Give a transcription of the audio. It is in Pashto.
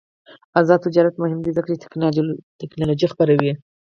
آزاد تجارت مهم دی ځکه چې تکنالوژي خپروي.